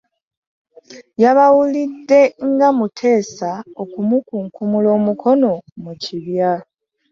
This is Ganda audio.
Yabawulidde nga muteesa okumukunkumula omukono mu kibya.